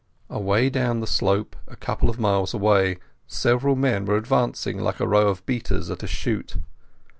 Away down the slope, a couple of miles away, several men were advancing, like a row of beaters at a shoot.